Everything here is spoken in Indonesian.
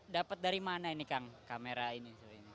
dapat dari mana ini kang kamera ini